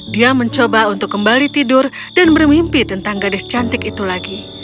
dia mencoba untuk kembali tidur dan bermimpi tentang gadis cantik itu lagi